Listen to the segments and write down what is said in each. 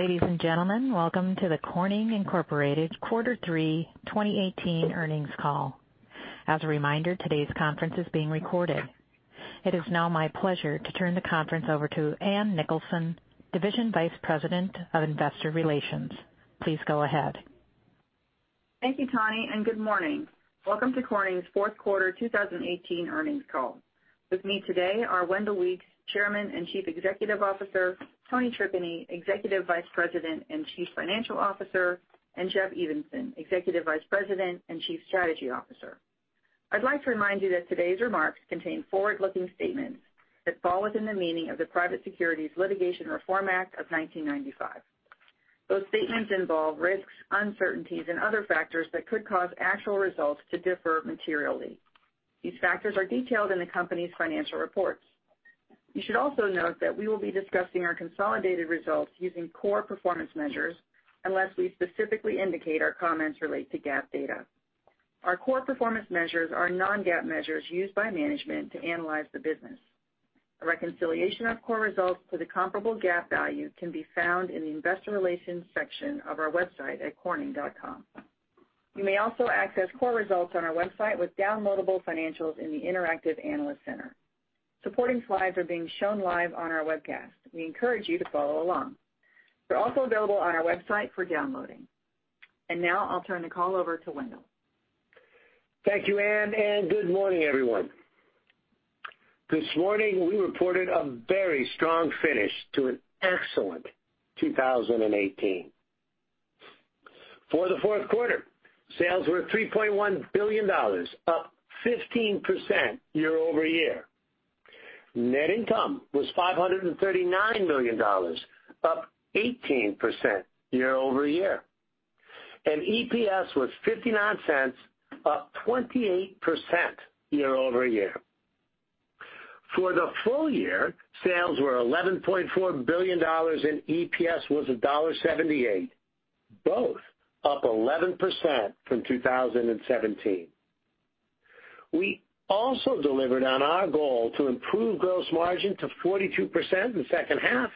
Ladies and gentlemen, welcome to the Corning Incorporated Quarter Three 2018 earnings call. As a reminder, today's conference is being recorded. It is now my pleasure to turn the conference over to Ann Nicholson, Division Vice President of Investor Relations. Please go ahead. Thank you, Tawny, and good morning. Welcome to Corning's fourth quarter 2018 earnings call. With me today are Wendell Weeks, Chairman and Chief Executive Officer; Tony Tripeny, Executive Vice President and Chief Financial Officer; and Jeff Evenson, Executive Vice President and Chief Strategy Officer. I'd like to remind you that today's remarks contain forward-looking statements that fall within the meaning of the Private Securities Litigation Reform Act of 1995. Those statements involve risks, uncertainties, and other factors that could cause actual results to differ materially. These factors are detailed in the company's financial reports. You should also note that we will be discussing our consolidated results using core performance measures unless we specifically indicate our comments relate to GAAP data. Our core performance measures are non-GAAP measures used by management to analyze the business. A reconciliation of core results to the comparable GAAP value can be found in the investor relations section of our website at corning.com. You may also access core results on our website with downloadable financials in the interactive analyst center. Supporting slides are being shown live on our webcast. We encourage you to follow along. They're also available on our website for downloading. Now I'll turn the call over to Wendell. Thank you, Ann, and good morning, everyone. This morning, we reported a very strong finish to an excellent 2018. For the fourth quarter, sales were $3.1 billion, up 15% year-over-year. Net income was $539 million, up 18% year-over-year, and EPS was $0.59, up 28% year-over-year. For the full year, sales were $11.4 billion, and EPS was $1.78, both up 11% from 2017. We also delivered on our goal to improve gross margin to 42% in the second half,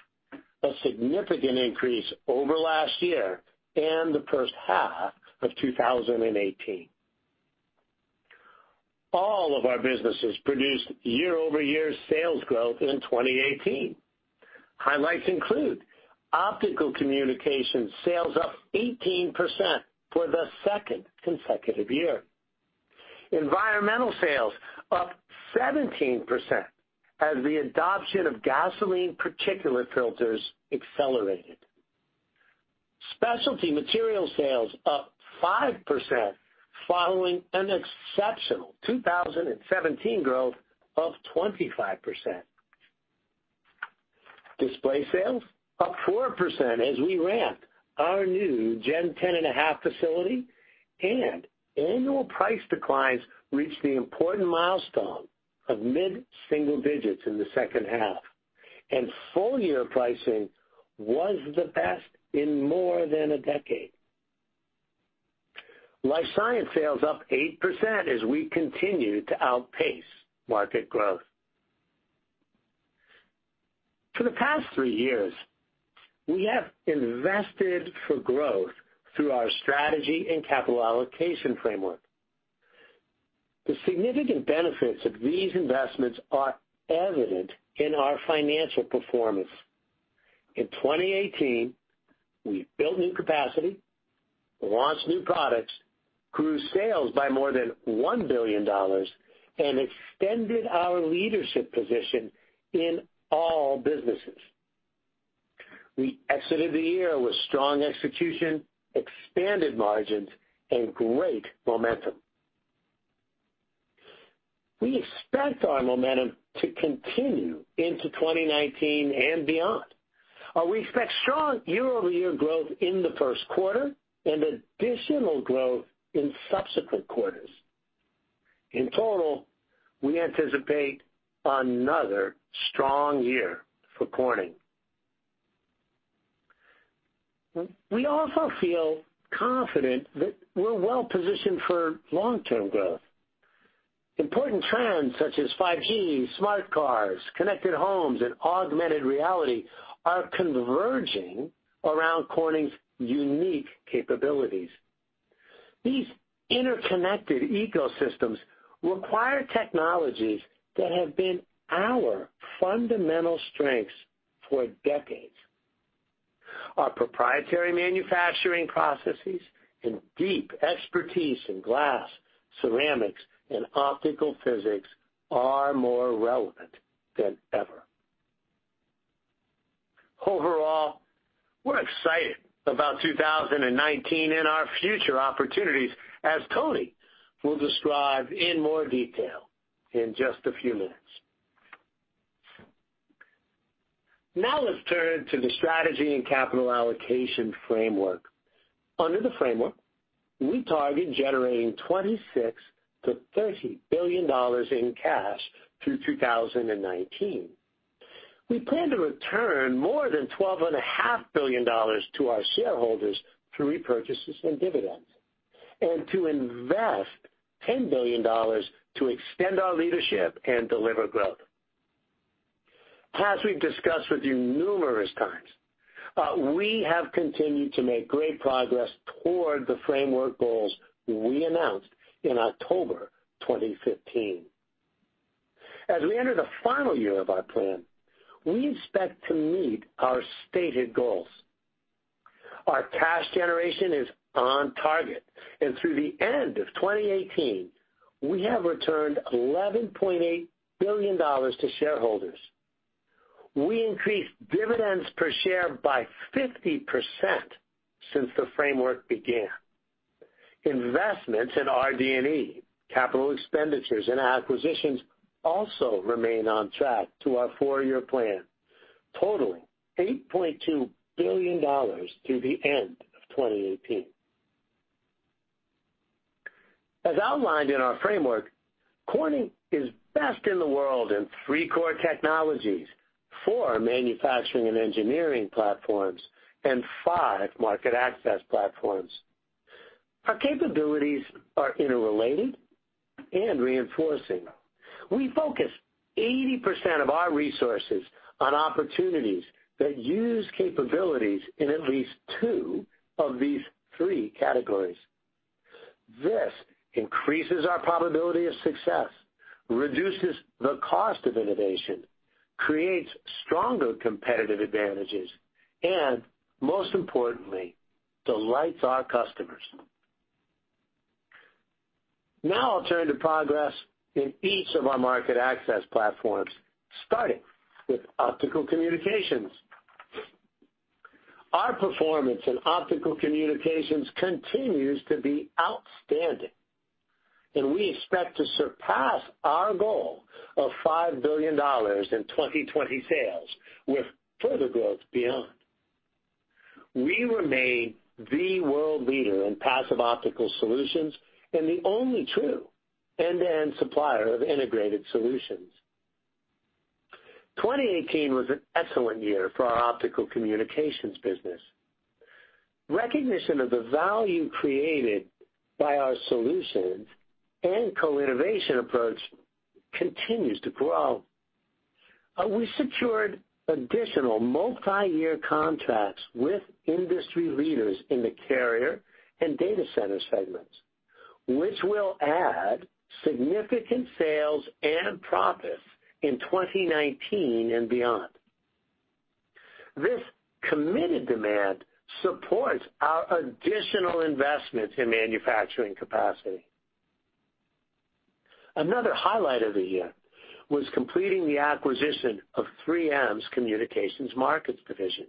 a significant increase over last year and the first half of 2018. All of our businesses produced year-over-year sales growth in 2018. Highlights include Optical Communications sales up 18% for the second consecutive year. Environmental Technologies sales up 17% as the adoption of gasoline particulate filters accelerated. Specialty Materials sales up 5% following an exceptional 2017 growth of 25%. Display sales up 4% as we ramped our new Gen 10.5 facility. Annual price declines reached the important milestone of mid-single digits in the second half, and full-year pricing was the best in more than a decade. Life Sciences sales up 8% as we continue to outpace market growth. For the past three years, we have invested for growth through our strategy and capital allocation framework. The significant benefits of these investments are evident in our financial performance. In 2018, we built new capacity, launched new products, grew sales by more than $1 billion, and extended our leadership position in all businesses. We exited the year with strong execution, expanded margins, and great momentum. We expect our momentum to continue into 2019 and beyond. We expect strong year-over-year growth in the first quarter and additional growth in subsequent quarters. In total, we anticipate another strong year for Corning. We also feel confident that we're well-positioned for long-term growth. Important trends such as 5G, smart cars, connected homes, and augmented reality are converging around Corning's unique capabilities. These interconnected ecosystems require technologies that have been our fundamental strengths for decades. Our proprietary manufacturing processes and deep expertise in glass, ceramics, and optical physics are more relevant than ever. Overall, we're excited about 2019 and our future opportunities, as Tony will describe in more detail in just a few minutes. Let's turn to the strategy and capital allocation framework. Under the framework, we target generating $26 billion-$30 billion in cash through 2019. We plan to return more than $12.5 billion to our shareholders through repurchases and dividends and to invest $10 billion to extend our leadership and deliver growth. As we've discussed with you numerous times, we have continued to make great progress toward the framework goals we announced in October 2015. As we enter the final year of our plan, we expect to meet our stated goals. Our cash generation is on target. Through the end of 2018, we have returned $11.8 billion to shareholders. We increased dividends per share by 50% since the framework began. Investments in RD&E, capital expenditures, and acquisitions also remain on track to our four-year plan, totaling $8.2 billion through the end of 2018. As outlined in our framework, Corning is best in the world in three core technologies, four manufacturing and engineering platforms, and five market access platforms. Our capabilities are interrelated and reinforcing. We focus 80% of our resources on opportunities that use capabilities in at least two of these three categories. This increases our probability of success, reduces the cost of innovation, creates stronger competitive advantages, and most importantly, delights our customers. I'll turn to progress in each of our market access platforms, starting with Optical Communications. Our performance in Optical Communications continues to be outstanding. We expect to surpass our goal of $5 billion in 2020 sales, with further growth beyond. We remain the world leader in passive optical solutions and the only true end-to-end supplier of integrated solutions. 2018 was an excellent year for our Optical Communications business. Recognition of the value created by our solutions and co-innovation approach continues to grow. We secured additional multi-year contracts with industry leaders in the carrier and data center segments, which will add significant sales and profits in 2019 and beyond. This committed demand supports our additional investment in manufacturing capacity. Another highlight of the year was completing the acquisition of 3M Communication Markets Division.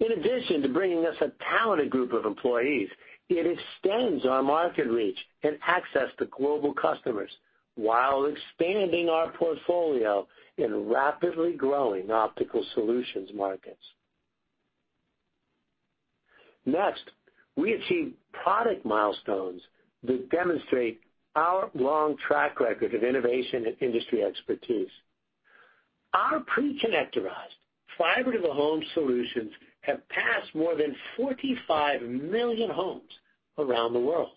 In addition to bringing us a talented group of employees, it extends our market reach and access to global customers while expanding our portfolio in rapidly growing optical solutions markets. Next, we achieved product milestones that demonstrate our long track record of innovation and industry expertise. Our pre-connectorized fiber-to-the-home solutions have passed more than 45 million homes around the world.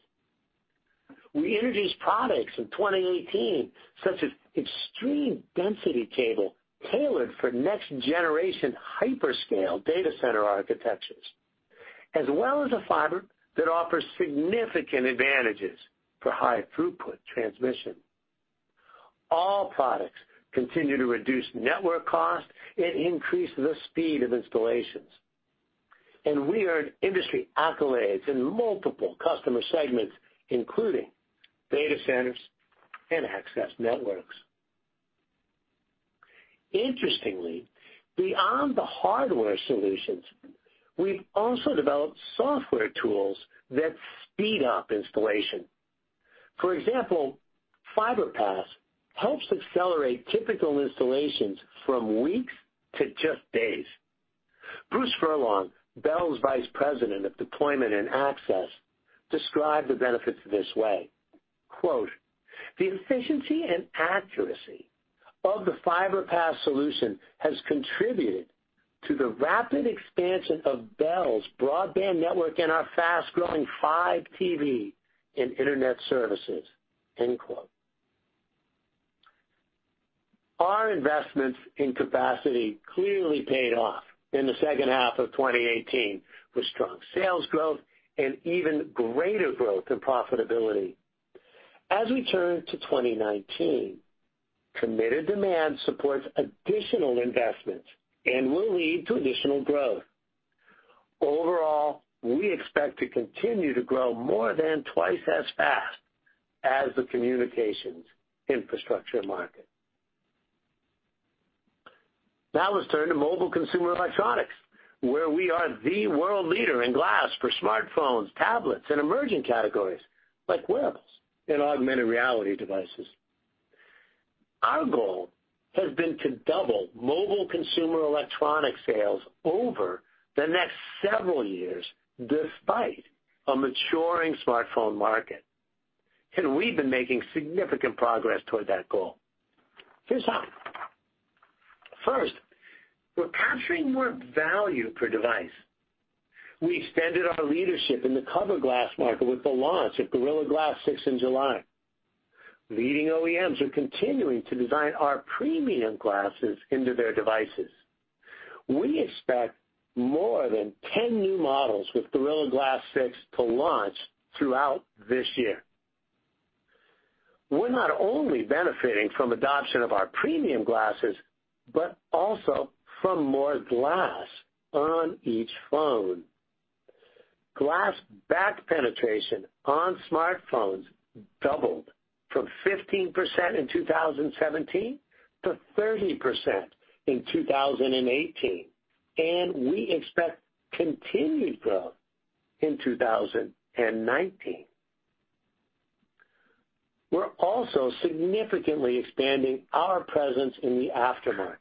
We introduced products in 2018, such as extreme density cable tailored for next-generation hyperscale data center architectures, as well as a fiber that offers significant advantages for high-throughput transmission. All products continue to reduce network cost and increase the speed of installations. We earned industry accolades in multiple customer segments, including data centers and access networks. Interestingly, beyond the hardware solutions, we've also developed software tools that speed up installation. For example, FiberPass helps accelerate typical installations from weeks to just days. Bruce Furlong, Bell's Vice President of Deployment and Access, described the benefits this way, quote, "The efficiency and accuracy of the FiberPass solution has contributed to the rapid expansion of Bell's broadband network and our fast-growing Fibe in internet services," end quote. Our investments in capacity clearly paid off in the second half of 2018, with strong sales growth and even greater growth and profitability. As we turn to 2019, committed demand supports additional investments and will lead to additional growth. Overall, we expect to continue to grow more than twice as fast as the communications infrastructure market. Now let's turn to mobile consumer electronics, where we are the world leader in glass for smartphones, tablets, and emerging categories like wearables and augmented reality devices. Our goal has been to double mobile consumer electronics sales over the next several years, despite a maturing smartphone market. We've been making significant progress toward that goal. Here's how. First, we're capturing more value per device. We extended our leadership in the cover glass market with the launch of Gorilla Glass 6 in July. Leading OEMs are continuing to design our premium glasses into their devices. We expect more than 10 new models with Gorilla Glass 6 to launch throughout this year. We're not only benefiting from adoption of our premium glasses, but also from more glass on each phone. Glass back penetration on smartphones doubled from 15% in 2017 to 30% in 2018, and we expect continued growth in 2019. We're also significantly expanding our presence in the aftermarket.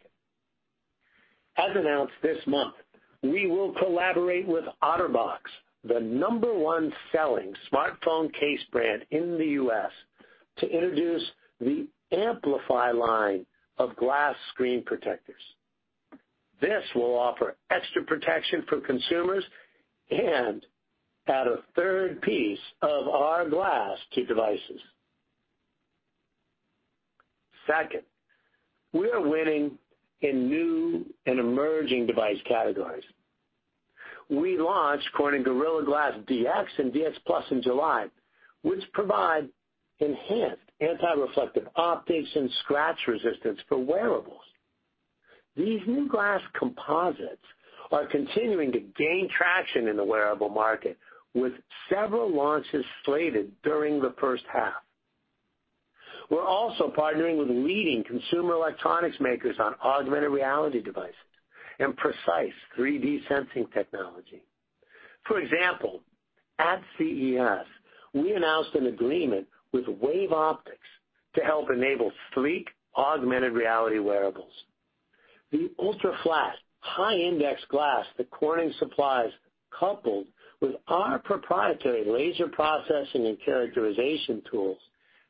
As announced this month, we will collaborate with OtterBox, the number one selling smartphone case brand in the U.S., to introduce the Amplify line of glass screen protectors. This will offer extra protection for consumers and add a third piece of our glass to devices. Second, we are winning in new and emerging device categories. We launched Corning Gorilla Glass DX and DX+ in July, which provide enhanced anti-reflective optics and scratch resistance for wearables. These new glass composites are continuing to gain traction in the wearable market, with several launches slated during the first half. We're also partnering with leading consumer electronics makers on augmented reality devices and precise 3D sensing technology. For example, at CES, we announced an agreement with WaveOptics to help enable sleek augmented reality wearables. The ultra-flat, high-index glass that Corning supplies, coupled with our proprietary laser processing and characterization tools,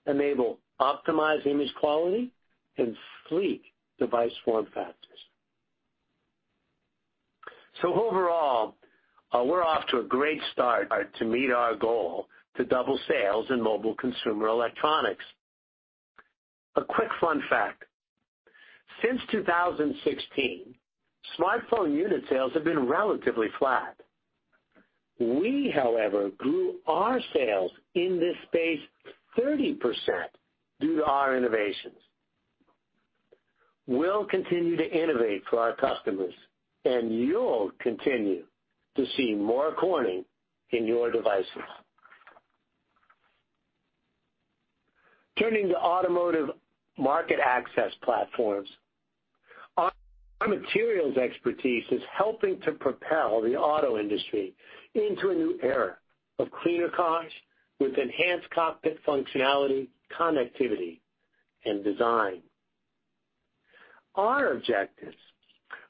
enable optimized image quality and sleek device form factors. Overall, we're off to a great start to meet our goal to double sales in mobile consumer electronics. A quick fun fact. Since 2016, smartphone unit sales have been relatively flat. We, however, grew our sales in this space 30% due to our innovations. We'll continue to innovate for our customers, and you'll continue to see more Corning in your devices. Turning to automotive market access platforms. Our materials expertise is helping to propel the auto industry into a new era of cleaner cars with enhanced cockpit functionality, connectivity, and design. Our objectives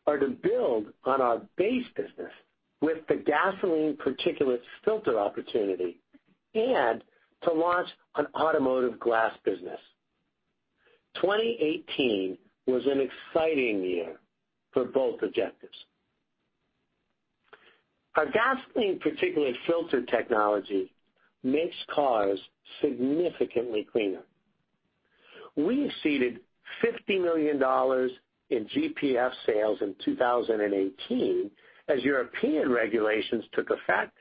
are to build on our base business with the gasoline particulate filter opportunity and to launch an automotive glass business. 2018 was an exciting year for both objectives. Our gasoline particulate filter technology makes cars significantly cleaner. We exceeded $50 million in GPF sales in 2018 as European regulations took effect,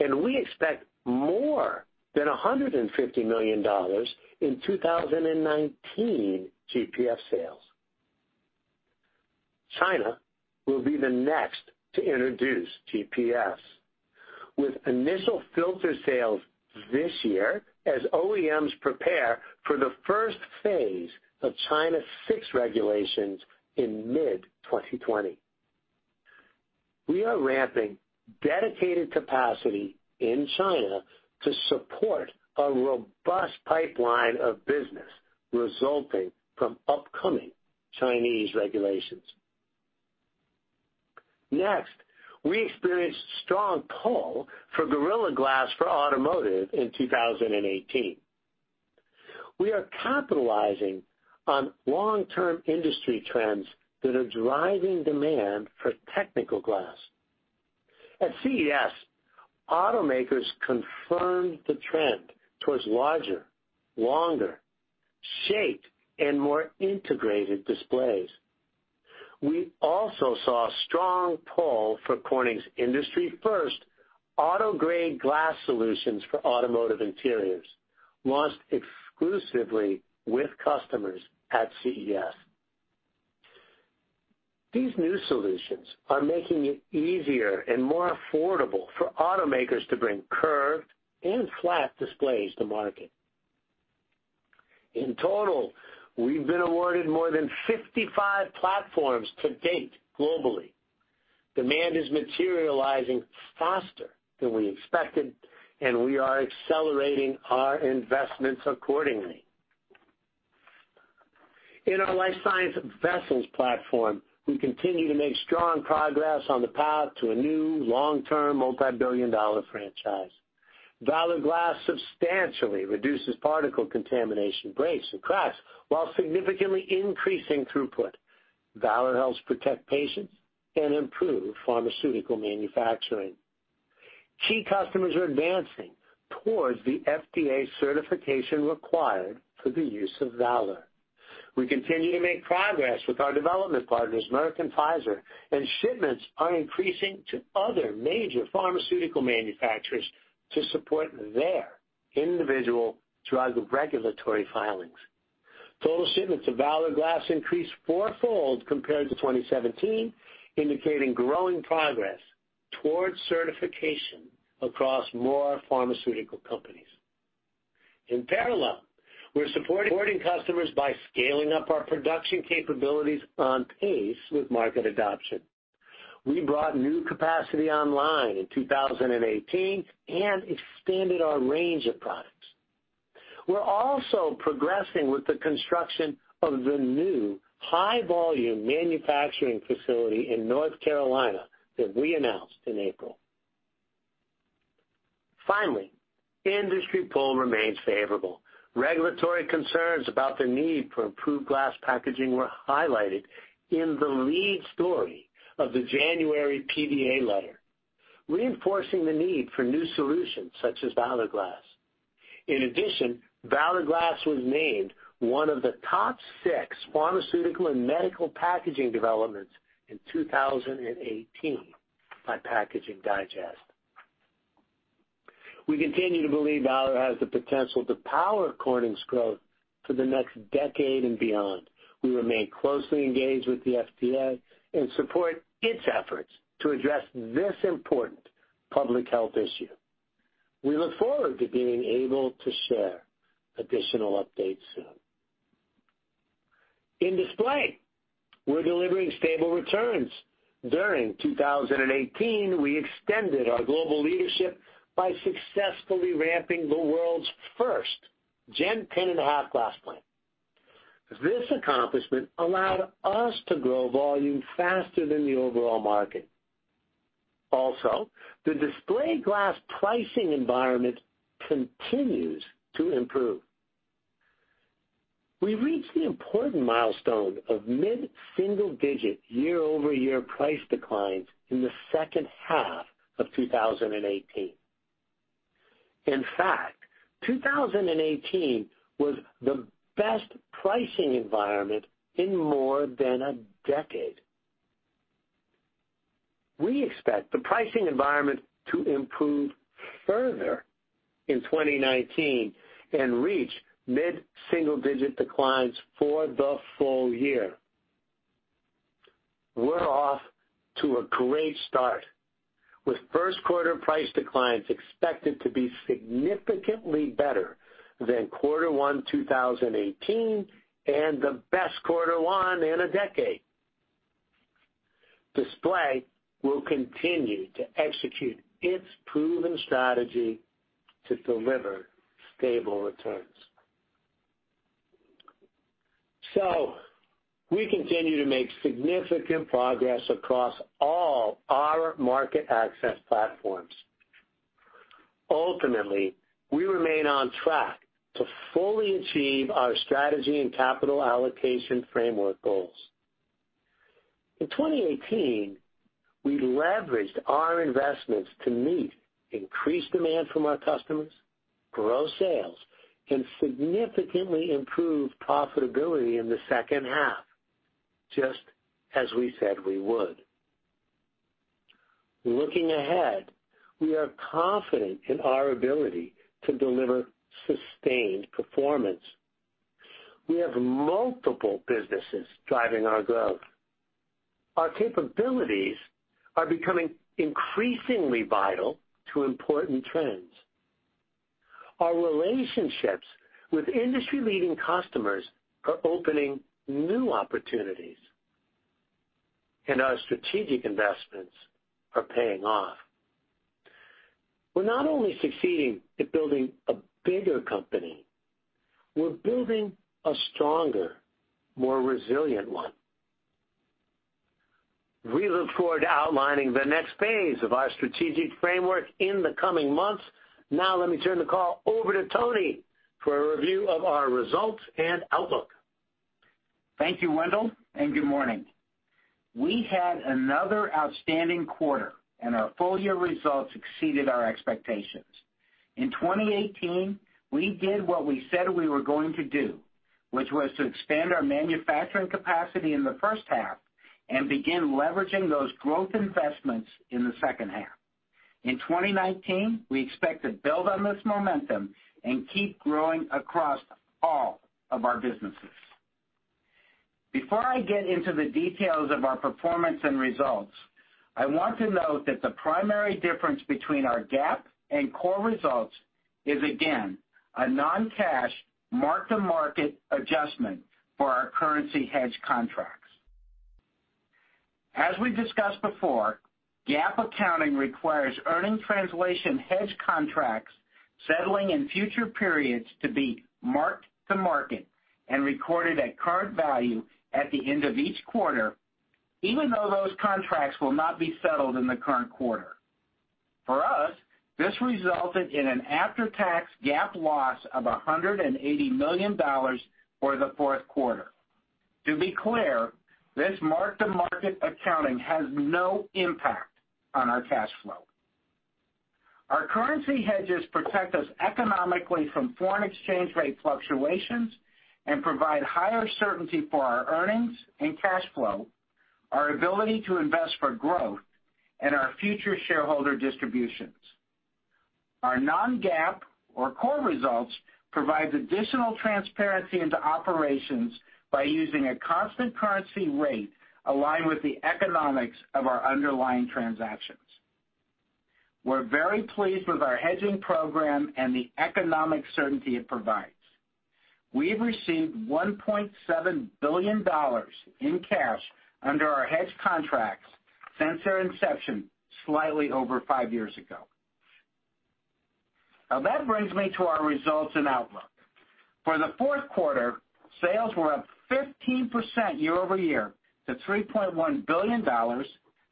and we expect more than $150 million in 2019 GPF sales. China will be the next to introduce GPFs, with initial filter sales this year as OEMs prepare for the first phase of China 6 regulations in mid-2020. We are ramping dedicated capacity in China to support a robust pipeline of business resulting from upcoming Chinese regulations. Next, we experienced strong pull for Gorilla Glass for Automotive in 2018. We are capitalizing on long-term industry trends that are driving demand for technical glass. At CES, automakers confirmed the trend towards larger, longer, shaped, and more integrated displays. We also saw strong pull for Corning's industry first auto grade glass solutions for Automotive Interiors, launched exclusively with customers at CES. These new solutions are making it easier and more affordable for automakers to bring curved and flat displays to market. In total, we've been awarded more than 55 platforms to date globally. Demand is materializing faster than we expected, and we are accelerating our investments accordingly. In our Life Sciences vessels platform, we continue to make strong progress on the path to a new long-term, multi-billion-dollar franchise. Valor Glass substantially reduces particle contamination, breaks, and cracks while significantly increasing throughput. Valor helps protect patients and improve pharmaceutical manufacturing. Key customers are advancing towards the FDA certification required for the use of Valor. We continue to make progress with our development partners, Merck and Pfizer, and shipments are increasing to other major pharmaceutical manufacturers to support their individual drug regulatory filings. Total shipments of Valor Glass increased fourfold compared to 2017, indicating growing progress towards certification across more pharmaceutical companies. In parallel, we're supporting customers by scaling up our production capabilities on pace with market adoption. We brought new capacity online in 2018 and expanded our range of products. We're also progressing with the construction of the new high-volume manufacturing facility in North Carolina that we announced in April. Finally, industry pull remains favorable. Regulatory concerns about the need for improved glass packaging were highlighted in the lead story of the January PDA Letter, reinforcing the need for new solutions such as Valor Glass. In addition, Valor Glass was named one of the top six pharmaceutical and medical packaging developments in 2018 by Packaging Digest. We continue to believe Valor has the potential to power Corning's growth for the next decade and beyond. We remain closely engaged with the FDA and support its efforts to address this important public health issue. We look forward to being able to share additional updates soon. In Display, we're delivering stable returns. During 2018, we extended our global leadership by successfully ramping the world's first Gen 10.5 glass plant. This accomplishment allowed us to grow volume faster than the overall market. The display glass pricing environment continues to improve. We reached the important milestone of mid-single-digit year-over-year price declines in the second half of 2018. In fact, 2018 was the best pricing environment in more than a decade. We expect the pricing environment to improve further in 2019 and reach mid-single-digit declines for the full year. We're off to a great start with first-quarter price declines expected to be significantly better than quarter one 2018, and the best quarter one in a decade. Display will continue to execute its proven strategy to deliver stable returns. We continue to make significant progress across all our market access platforms. Ultimately, we remain on track to fully achieve our strategy and capital allocation framework goals. In 2018, we leveraged our investments to meet increased demand from our customers, grow sales, and significantly improve profitability in the second half, just as we said we would. Looking ahead, we are confident in our ability to deliver sustained performance. We have multiple businesses driving our growth. Our capabilities are becoming increasingly vital to important trends. Our relationships with industry-leading customers are opening new opportunities, and our strategic investments are paying off. We're not only succeeding at building a bigger company, we're building a stronger, more resilient one. We look forward to outlining the next phase of our strategic framework in the coming months. Let me turn the call over to Tony for a review of our results and outlook. Thank you, Wendell, and good morning. We had another outstanding quarter, and our full-year results exceeded our expectations. In 2018, we did what we said we were going to do, which was to expand our manufacturing capacity in the first half and begin leveraging those growth investments in the second half. In 2019, we expect to build on this momentum and keep growing across all of our businesses. Before I get into the details of our performance and results, I want to note that the primary difference between our GAAP and core results is, again, a non-cash mark-to-market adjustment for our currency hedge contracts. As we discussed before, GAAP accounting requires earning translation hedge contracts settling in future periods to be marked to market and recorded at current value at the end of each quarter. Even though those contracts will not be settled in the current quarter. For us, this resulted in an after-tax GAAP loss of $180 million for the fourth quarter. To be clear, this mark-to-market accounting has no impact on our cash flow. Our currency hedges protect us economically from foreign exchange rate fluctuations and provide higher certainty for our earnings and cash flow, our ability to invest for growth, and our future shareholder distributions. Our non-GAAP, or core results, provides additional transparency into operations by using a constant currency rate aligned with the economics of our underlying transactions. We're very pleased with our hedging program and the economic certainty it provides. We've received $1.7 billion in cash under our hedge contracts since their inception slightly over five years ago. That brings me to our results and outlook. For the fourth quarter, sales were up 15% year-over-year to $3.1 billion,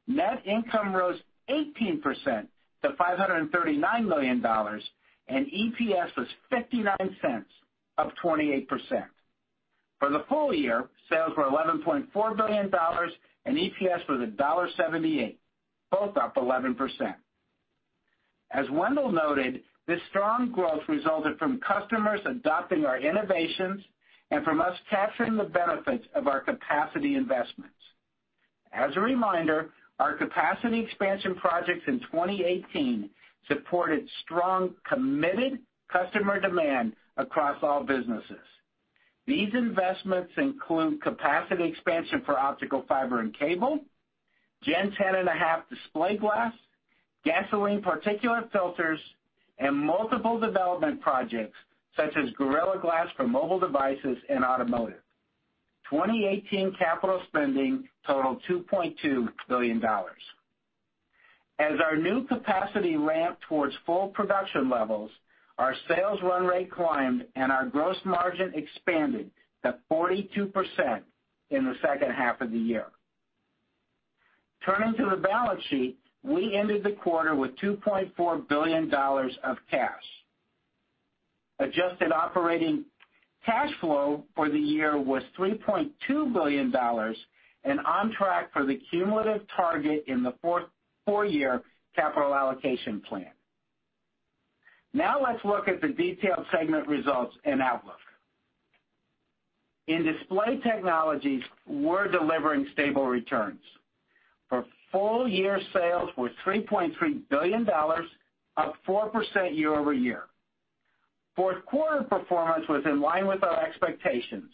net income rose 18% to $539 million, and EPS was $0.59, up 28%. For the full year, sales were $11.4 billion, and EPS was $1.78, both up 11%. As Wendell noted, this strong growth resulted from customers adopting our innovations and from us capturing the benefits of our capacity investments. As a reminder, our capacity expansion projects in 2018 supported strong, committed customer demand across all businesses. These investments include capacity expansion for optical fiber and cable, Gen 10.5 display glass, gasoline particulate filters, and multiple development projects, such as Gorilla Glass for mobile devices and automotive. 2018 capital spending totaled $2.2 billion. As our new capacity ramped towards full production levels, our sales run rate climbed and our gross margin expanded to 42% in the second half of the year. Turning to the balance sheet, we ended the quarter with $2.4 billion of cash. Adjusted operating cash flow for the year was $3.2 billion and on track for the cumulative target in the fourth four-year capital allocation plan. Let's look at the detailed segment results and outlook. In Display Technologies, we're delivering stable returns, for full year sales were $3.3 billion, up 4% year-over-year. Fourth quarter performance was in line with our expectations.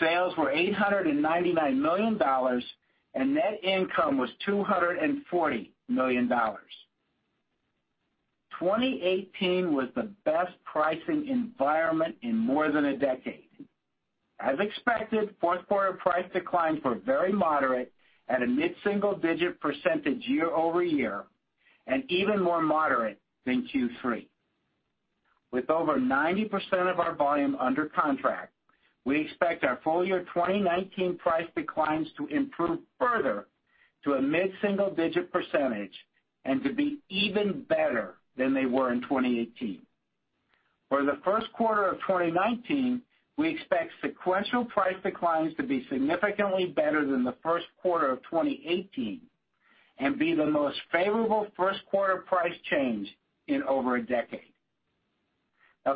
Sales were $899 million, and net income was $240 million. 2018 was the best pricing environment in more than a decade. As expected, fourth quarter price declines were very moderate at a mid-single digit percentage year-over-year, and even more moderate than Q3. With over 90% of our volume under contract, we expect our full-year 2019 price declines to improve further to a mid-single-digit percentage and to be even better than they were in 2018. For the first quarter of 2019, we expect sequential price declines to be significantly better than the first quarter of 2018 and be the most favorable first quarter price change in over a decade.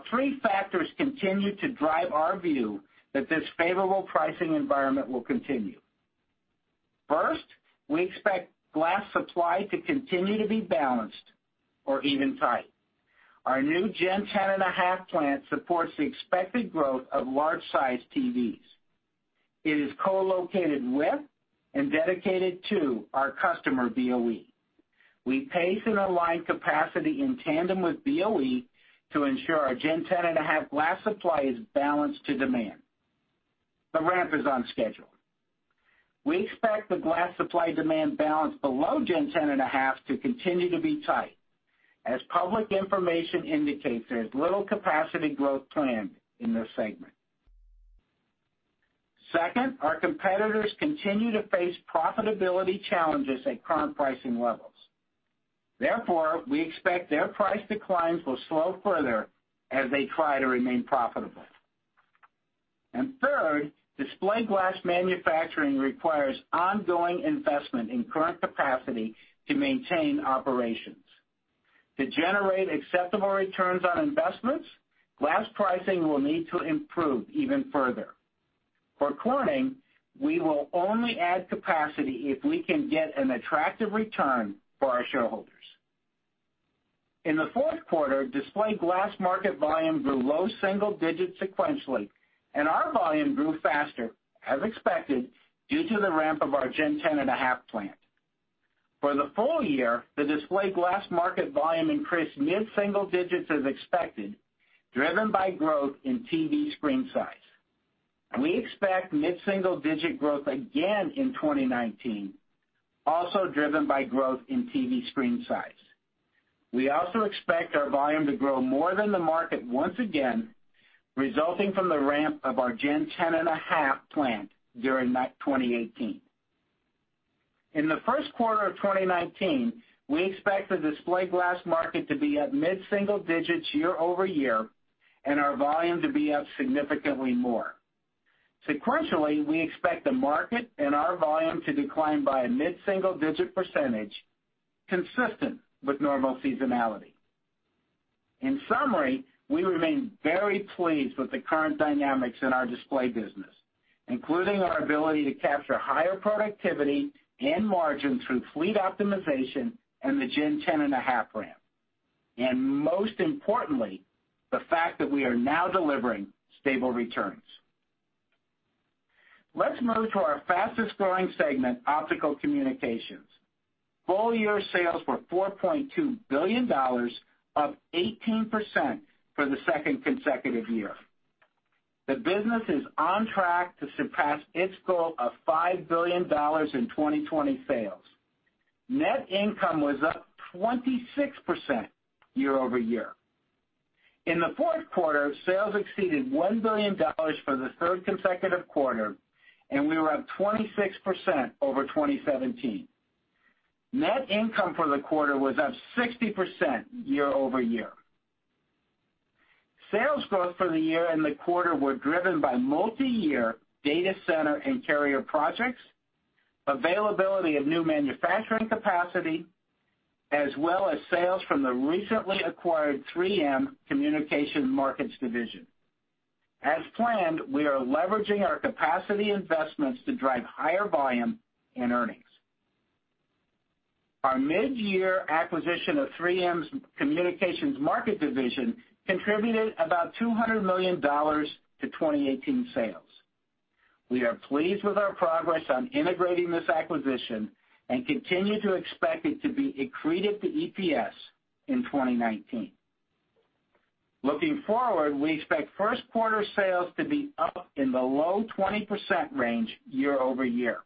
Three factors continue to drive our view that this favorable pricing environment will continue. First, we expect glass supply to continue to be balanced or even tight. Our new Gen 10.5 plant supports the expected growth of large-sized TVs. It is co-located with and dedicated to our customer, BOE. We pace and align capacity in tandem with BOE to ensure our Gen 10.5 glass supply is balanced to demand. The ramp is on schedule. We expect the glass supply-demand balance below Gen 10.5 to continue to be tight. As public information indicates, there is little capacity growth planned in this segment. Second, our competitors continue to face profitability challenges at current pricing levels. Therefore, we expect their price declines will slow further as they try to remain profitable. Third, display glass manufacturing requires ongoing investment in current capacity to maintain operations. To generate acceptable returns on investments, glass pricing will need to improve even further. For Corning, we will only add capacity if we can get an attractive return for our shareholders. In the fourth quarter, display glass market volume grew single digits sequentially, and our volume grew faster, as expected, due to the ramp of our Gen 10.5 plant. For the full year, the display glass market volume increased mid-single digits as expected, driven by growth in TV screen size. We expect mid-single digit growth again in 2019, also driven by growth in TV screen size. We also expect our volume to grow more than the market once again, resulting from the ramp of our Gen 10.5 plant during 2018. In the first quarter of 2019, we expect the display glass market to be up mid-single digits year-over-year, and our volume to be up significantly more. Sequentially, we expect the market and our volume to decline by a mid-single-digit percentage consistent with normal seasonality. In summary, we remain very pleased with the current dynamics in our display business, including our ability to capture higher productivity and margin through fleet optimization and the Gen 10.5 ramp, and most importantly, the fact that we are now delivering stable returns. Let's move to our fastest-growing segment, Optical Communications. Full-year sales were $4.2 billion, up 18% for the second consecutive year. The business is on track to surpass its goal of $5 billion in 2020 sales. Net income was up 26% year-over-year. In the fourth quarter, sales exceeded $1 billion for the third consecutive quarter, and we were up 26% over 2017. Net income for the quarter was up 60% year-over-year. Sales growth for the year and the quarter were driven by multi-year data center and carrier projects, availability of new manufacturing capacity, as well as sales from the recently acquired 3M Communication Markets Division. As planned, we are leveraging our capacity investments to drive higher volume and earnings. Our mid-year acquisition of 3M's Communication Markets Division contributed about $200 million to 2018 sales. We are pleased with our progress on integrating this acquisition and continue to expect it to be accretive to EPS in 2019. Looking forward, we expect first quarter sales to be up in the low 20% range year-over-year.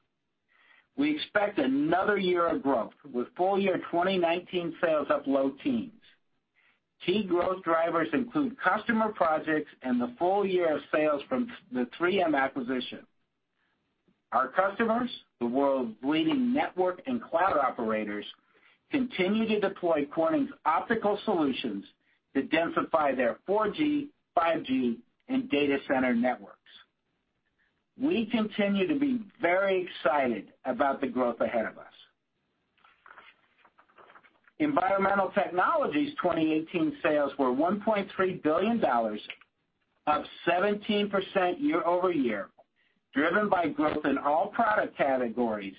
We expect another year of growth with full-year 2019 sales up low teens. Key growth drivers include customer projects and the full year of sales from the 3M acquisition. Our customers, the world's leading network and cloud operators, continue to deploy Corning's optical solutions to densify their 4G, 5G, and data center networks. We continue to be very excited about the growth ahead of us. Environmental Technologies 2018 sales were $1.3 billion, up 17% year-over-year, driven by growth in all product categories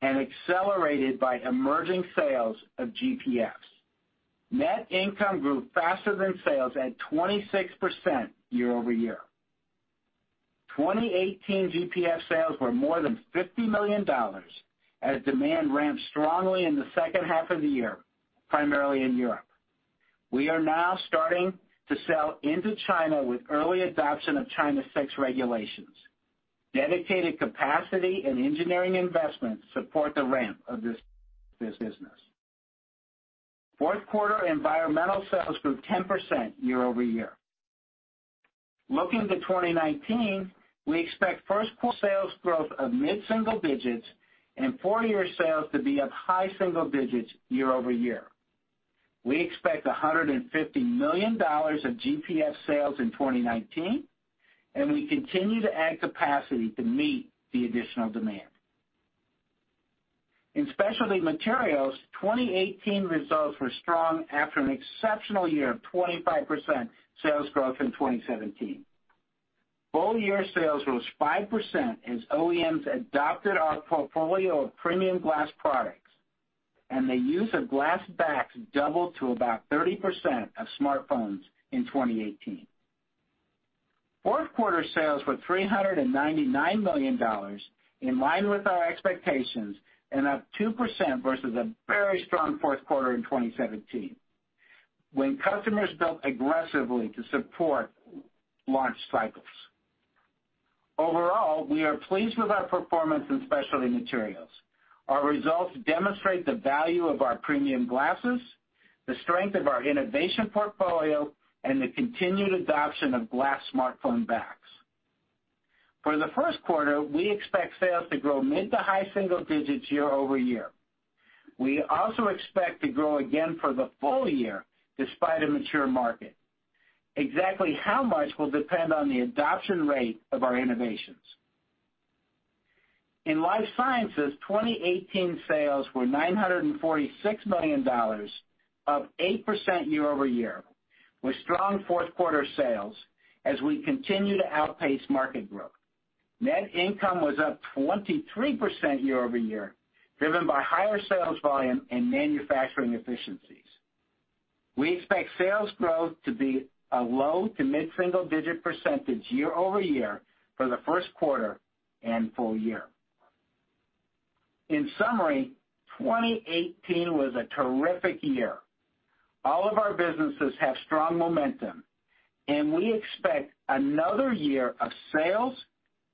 and accelerated by emerging sales of GPFs. Net income grew faster than sales at 26% year-over-year. 2018 GPF sales were more than $50 million as demand ramped strongly in the second half of the year, primarily in Europe. We are now starting to sell into China with early adoption of China 6 regulations. Dedicated capacity and engineering investments support the ramp of this business. Fourth quarter environmental sales grew 10% year-over-year. Looking to 2019, we expect first quarter sales growth of mid-single digits and full year sales to be up high single digits year-over-year. We expect $150 million of GPF sales in 2019, and we continue to add capacity to meet the additional demand. In Specialty Materials, 2018 results were strong after an exceptional year of 25% sales growth in 2017. Full-year sales rose 5% as OEMs adopted our portfolio of premium glass products, and the use of glass backs doubled to about 30% of smartphones in 2018. Fourth quarter sales were $399 million, in line with our expectations, and up 2% versus a very strong fourth quarter in 2017, when customers built aggressively to support launch cycles. Overall, we are pleased with our performance in Specialty Materials. Our results demonstrate the value of our premium glasses, the strength of our innovation portfolio, and the continued adoption of glass smartphone backs. For the first quarter, we expect sales to grow mid to high single digits year over year. We also expect to grow again for the full year despite a mature market. Exactly how much will depend on the adoption rate of our innovations. In Life Sciences, 2018 sales were $946 million, up 8% year over year, with strong fourth quarter sales as we continue to outpace market growth. Net income was up 23% year over year, driven by higher sales volume and manufacturing efficiencies. We expect sales growth to be a low to mid-single digit percentage year over year for the first quarter and full year. In summary, 2018 was a terrific year. All of our businesses have strong momentum. We expect another year of sales,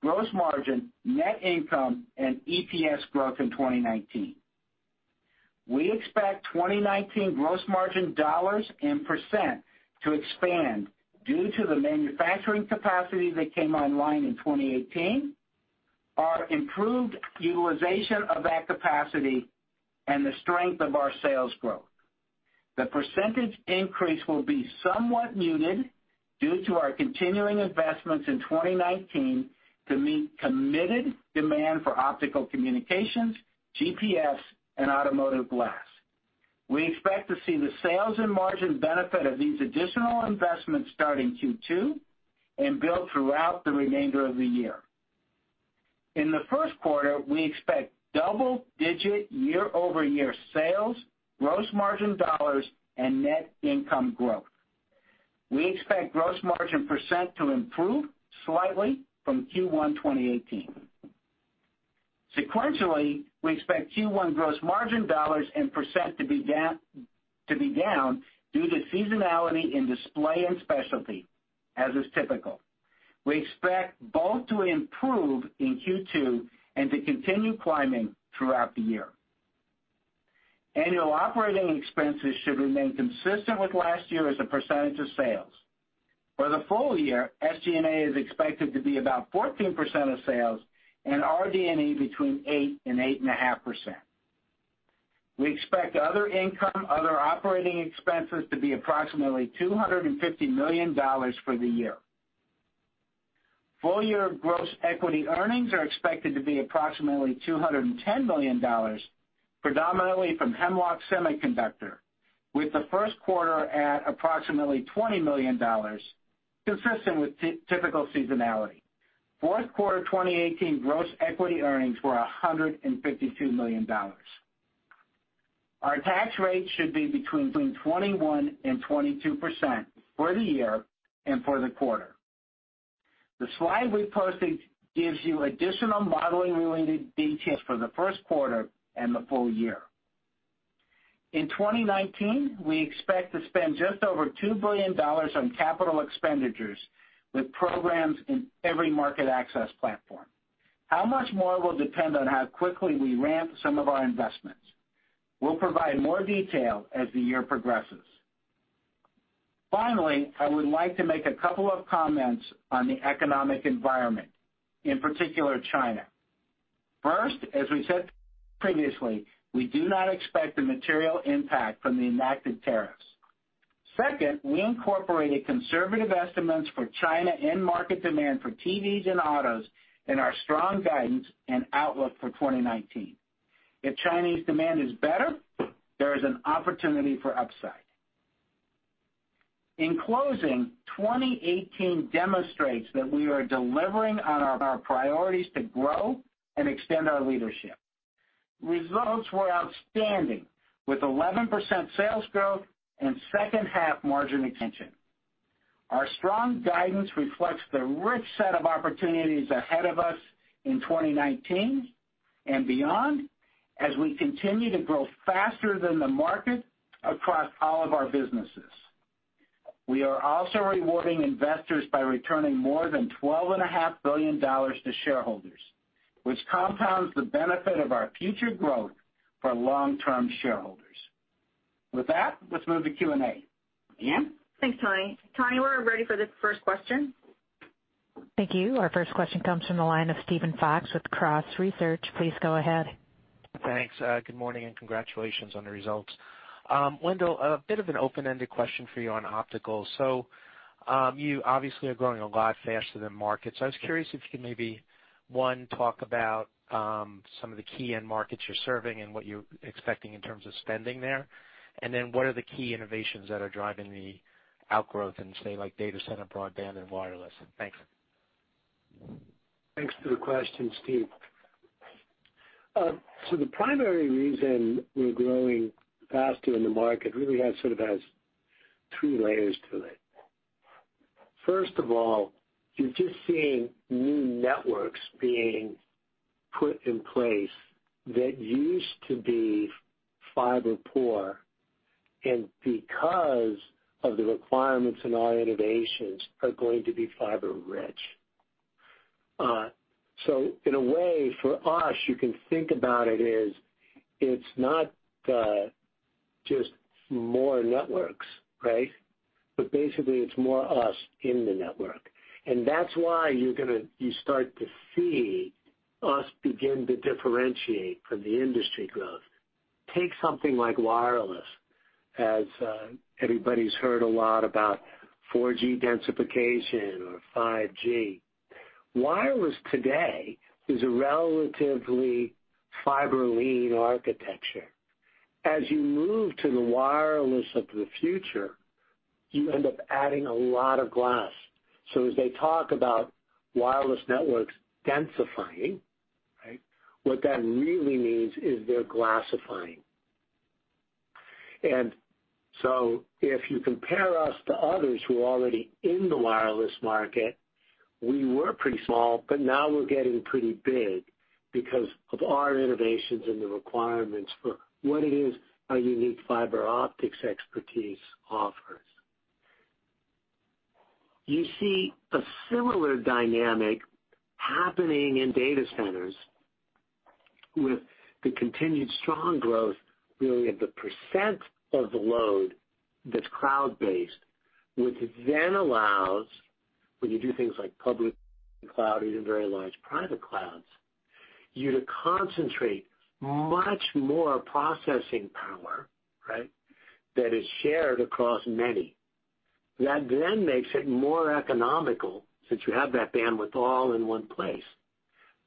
gross margin, net income, and EPS growth in 2019. We expect 2019 gross margin dollars and percent to expand due to the manufacturing capacity that came online in 2018, our improved utilization of that capacity, and the strength of our sales growth. The percentage increase will be somewhat muted due to our continuing investments in 2019 to meet committed demand for Optical Communications, GPF, and automotive glass. We expect to see the sales and margin benefit of these additional investments start in Q2 and build throughout the remainder of the year. In the first quarter, we expect double-digit year-over-year sales, gross margin dollars, and net income growth. We expect gross margin percent to improve slightly from Q1 2018. Sequentially, we expect Q1 gross margin dollars and percent to be down due to seasonality in Display Technologies and Specialty Materials, as is typical. We expect both to improve in Q2 and to continue climbing throughout the year. Annual operating expenses should remain consistent with last year as a percnt of sales. For the full year, SG&A is expected to be about 14% of sales, and RD&E between 8% and 8.5%. We expect other income, other operating expenses to be approximately $250 million for the year. Full-year gross equity earnings are expected to be approximately $210 million, predominantly from Hemlock Semiconductor, with the first quarter at approximately $20 million, consistent with typical seasonality. Fourth quarter 2018 gross equity earnings were $152 million. Our tax rate should be between 21% and 22% for the year and for the quarter. The slide we posted gives you additional modeling-related details for the first quarter and the full year. In 2019, we expect to spend just over $2 billion on capital expenditures, with programs in every market access platform. How much more will depend on how quickly we ramp some of our investments. We will provide more detail as the year progresses. Finally, I would like to make a couple of comments on the economic environment, in particular, China. First, as we said previously, we do not expect a material impact from the enacted tariffs. Second, we incorporated conservative estimates for China end market demand for TVs and autos in our strong guidance and outlook for 2019. If Chinese demand is better, there is an opportunity for upside. In closing, 2018 demonstrates that we are delivering on our priorities to grow and extend our leadership. Results were outstanding, with 11% sales growth and second-half margin expansion. Our strong guidance reflects the rich set of opportunities ahead of us in 2019 and beyond, as we continue to grow faster than the market across all of our businesses. We are also rewarding investors by returning more than $12.5 billion to shareholders, which compounds the benefit of our future growth for long-term shareholders. With that, let's move to Q&A. Ann? Thanks, Tony. Tony, we're ready for the first question. Thank you. Our first question comes from the line of Steven Fox with Cross Research. Please go ahead. Thanks. Good morning, congratulations on the results. Wendell, a bit of an open-ended question for you on optical. You obviously are growing a lot faster than markets. I was curious if you could maybe, one, talk about some of the key end markets you're serving and what you're expecting in terms of spending there. Then what are the key innovations that are driving the outgrowth in, say, like data center, broadband, and wireless? Thanks. Thanks for the question, Steven. The primary reason we're growing faster than the market really sort of has three layers to it. First of all, you're just seeing new networks being put in place that used to be fiber poor, because of the requirements in our innovations, are going to be fiber rich. In a way, for us, you can think about it as, it's not just more networks, right? Basically, it's more us in the network. That's why you start to see us begin to differentiate from the industry growth. Take something like wireless, as everybody's heard a lot about 4G densification or 5G. Wireless today is a relatively fiber-lean architecture. As you move to the wireless of the future, you end up adding a lot of glass. As they talk about wireless networks densifying, right, what that really means is they're glassifying. If you compare us to others who are already in the wireless market We were pretty small, now we're getting pretty big because of our innovations and the requirements for what it is our unique fiber optics expertise offers. You see a similar dynamic happening in data centers with the continued strong growth, really of the percent of the load that's cloud-based, which allows, when you do things like public cloud, even very large private clouds, you to concentrate much more processing power, right, that is shared across many. That makes it more economical, since you have that bandwidth all in one place,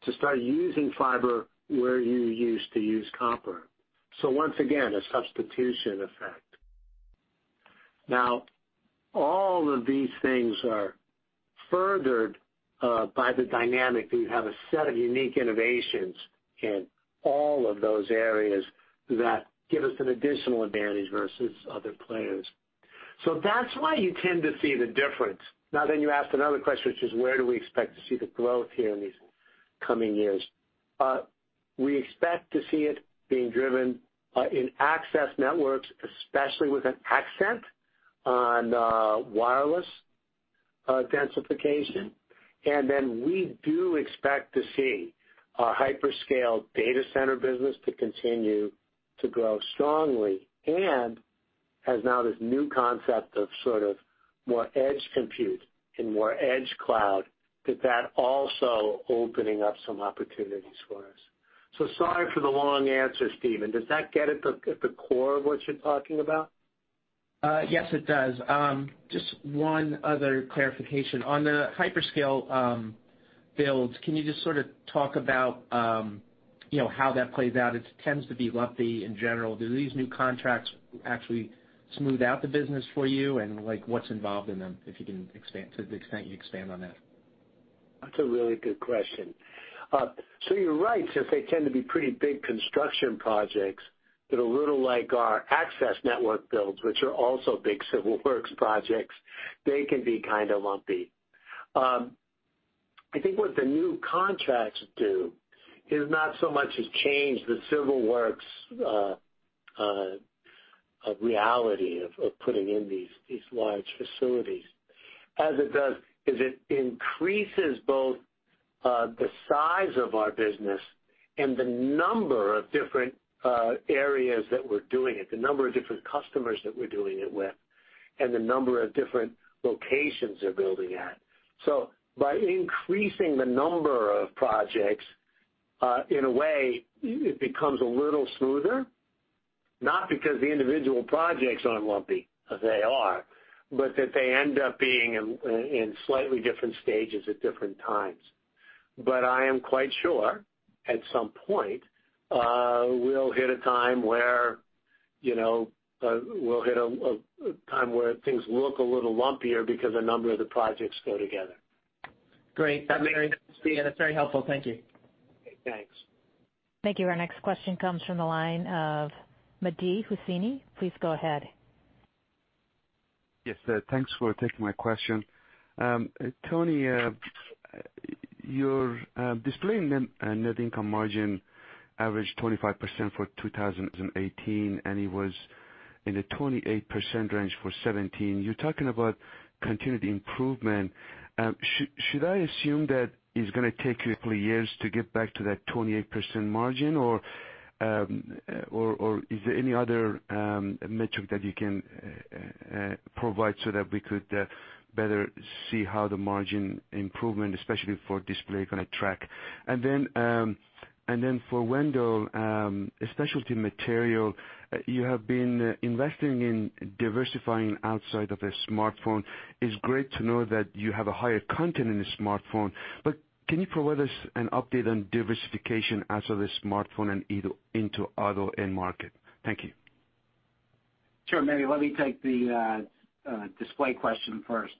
to start using fiber where you used to use copper. Once again, a substitution effect. All of these things are furthered by the dynamic that you have a set of unique innovations in all of those areas that give us an additional advantage versus other players. That's why you tend to see the difference. You asked another question, which is, where do we expect to see the growth here in these coming years? We expect to see it being driven, in access networks, especially with an accent on wireless densification. We do expect to see our hyperscale data center business to continue to grow strongly, as now this new concept of sort of more edge compute and more edge cloud, that that also opening up some opportunities for us. Sorry for the long answer, Steven. Does that get at the core of what you're talking about? Yes, it does. Just one other clarification. On the hyperscale builds, can you just sort of talk about how that plays out? It tends to be lumpy in general. Do these new contracts actually smooth out the business for you, and like what's involved in them, to the extent you can expand on that? That's a really good question. You're right, since they tend to be pretty big construction projects that are a little like our access network builds, which are also big civil works projects, they can be kind of lumpy. I think what the new contracts do is not so much as change the civil works reality of putting in these large facilities, as it does is it increases both the size of our business and the number of different areas that we're doing it, the number of different customers that we're doing it with, and the number of different locations they're building at. By increasing the number of projects, in a way, it becomes a little smoother, not because the individual projects aren't lumpy, as they are, but that they end up being in slightly different stages at different times. I am quite sure, at some point, we'll hit a time where things look a little lumpier because a number of the projects go together. Great. That's very helpful. Thank you. Okay, thanks. Thank you. Our next question comes from the line of Mehdi Hosseini. Please go ahead. Yes. Thanks for taking my question. Tony, your Display net income margin averaged 25% for 2018, and it was in the 28% range for 2017. You're talking about continued improvement. Should I assume that it's going to take you a couple years to get back to that 28% margin, or is there any other metric that you can provide so that we could better see how the margin improvement, especially for Display, is going to track? For Wendell, Specialty Materials, you have been investing in diversifying outside of the smartphone. It's great to know that you have a higher content in the smartphone, but can you provide us an update on diversification out of the smartphone and into auto end market? Thank you. Sure, Mehdi, let me take the Display question first.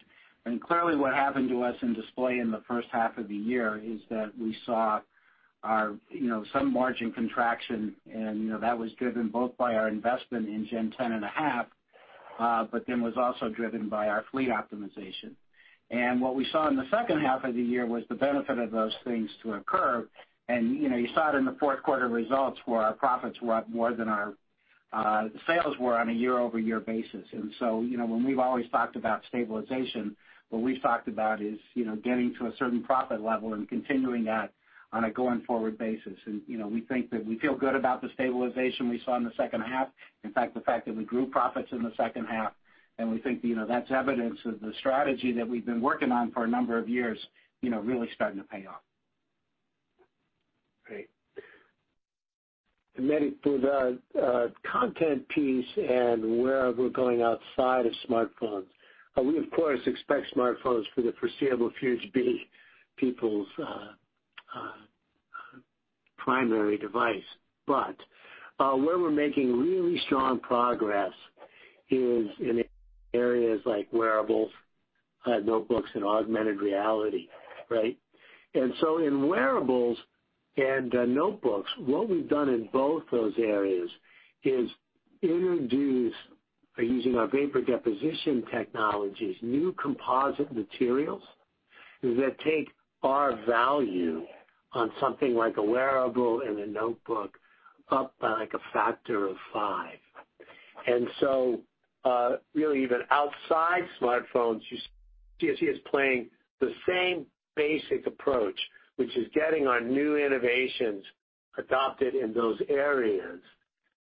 Clearly, what happened to us in Display in the first half of the year is that we saw some margin contraction, and that was driven both by our investment in Gen 10.5, but then was also driven by our fleet optimization. What we saw in the second half of the year was the benefit of those things to occur, and you saw it in the fourth quarter results, where our profits were up more than our sales were on a year-over-year basis. When we've always talked about stabilization, what we've talked about is getting to a certain profit level and continuing that on a going-forward basis. We think that we feel good about the stabilization we saw in the second half. In fact, the fact that we grew profits in the second half. We think that's evidence of the strategy that we've been working on for a number of years, really starting to pay off. Great. Mehdi, for the content piece and where we're going outside of smartphones, we of course expect smartphones for the foreseeable future to be people's primary device. Where we're making really strong progress is in areas like wearables, notebooks, and augmented reality, right? In wearables and notebooks, what we've done in both those areas is introduce, by using our vapor deposition technologies, new composite materials that take our value on something like a wearable and a notebook up by like a factor of five. Really even outside smartphones, JSR is playing the same basic approach, which is getting our new innovations adopted in those areas,